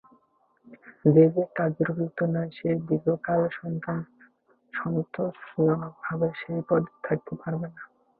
যে যে-কার্যের উপযুক্ত নয়, সে দীর্ঘকাল সন্তোষজনকভাবে সেই পদে থাকিতে পারে না।